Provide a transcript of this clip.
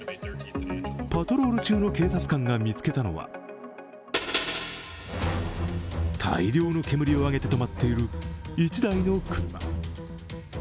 パトロール中の警察官が見つけたのは大量の煙を上げて止まっている１台の車。